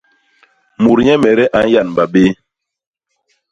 Mut nyemede a nyanba bé.